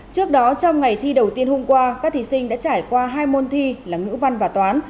trước đó trong ngày thi đầu tiên hôm qua các thí sinh đã trải qua hai môn thi là ngữ văn và toán